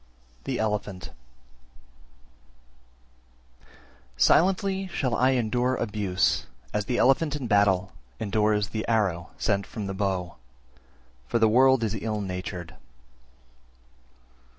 The Elephant 320. Silently shall I endure abuse as the elephant in battle endures the arrow sent from the bow: for the world is ill natured.